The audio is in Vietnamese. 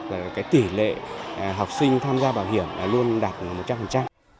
và cái tỷ lệ học sinh tham gia bảo hiểm luôn đạt một trăm linh